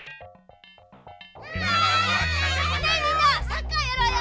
ねえみんなサッカーやろうよ！